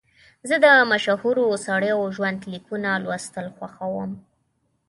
زه د مشهورو سړیو ژوند لیکونه لوستل خوښوم.